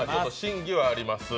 審議はあります。